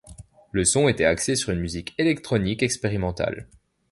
Le son était axé sur une musique électronique expérimentale.